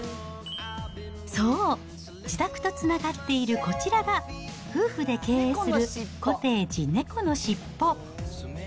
そう、自宅とつながっているこちらが、夫婦で経営する、コテージねこのしっぽ。